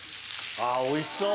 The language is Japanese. あぁおいしそう。